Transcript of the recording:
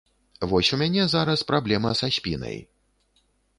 Вось у мяне зараз праблема са спінай.